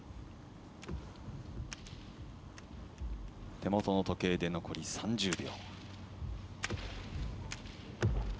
手元の時計で残り３０秒。